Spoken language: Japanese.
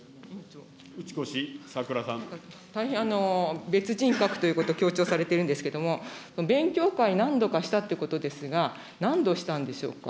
大変、別人格ということを強調されてるんですけれども、勉強会、何度かしたということですが、何度したんでしょうか。